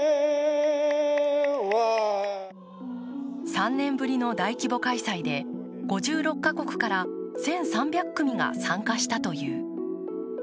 ３年ぶりの大規模開催で５６か国から１３００組が参加したという。